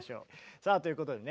さあということでね